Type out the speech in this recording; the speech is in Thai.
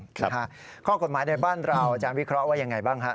ข้อกฎหมายในบ้านเราอาจารย์วิเคราะห์ว่ายังไงบ้างฮะ